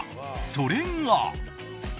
それが。